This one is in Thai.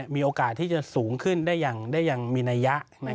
มีโอกาสที่จะสูงขึ้นได้อย่างมีนัยยะ